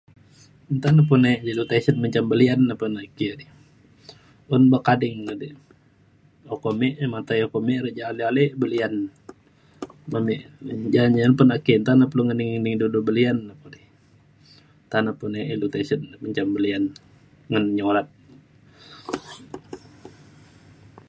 Tan pen yek ilou tisen ca belian yak pa ma ake kidi , un lok kading yak di, la'o uko mek yak matai mek yak ja'at ale belian ma mek yak menjan ta yak kelo ngening-ngenin dulue belian yak ilou tisen mejam belian ngan nyurat.